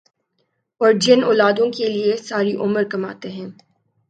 اور جن اولادوں کے لیئے ساری عمر کماتے ہیں